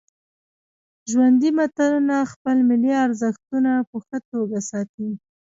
ژوندي ملتونه خپل ملي ارزښتونه په ښه توکه ساتي.